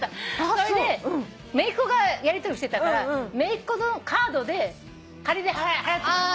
それでめいっ子がやりとりをしてたからめいっ子のカードで仮で払ってもらった。